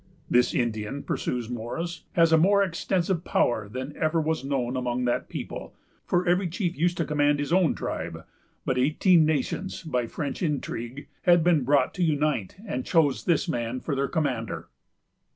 "This Indian," pursues Morris, "has a more extensive power than ever was known among that people, for every chief used to command his own tribe; but eighteen nations, by French intrigue, had been brought to unite and choose this man for their commander."